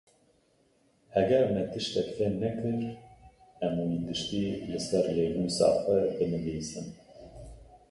Heger me tiştek fêhm nekir, em wî tiştî li ser lênûsa xwe binivîsin.